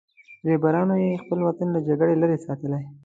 رهبرانو یې خپل وطن له جګړې لرې ساتلی.